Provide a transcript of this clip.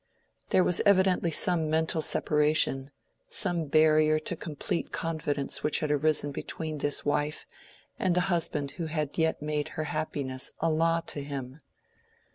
There was evidently some mental separation, some barrier to complete confidence which had arisen between this wife and the husband who had yet made her happiness a law to him.